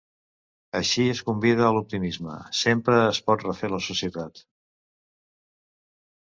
Així, es convida a l'optimisme: sempre es pot refer la societat.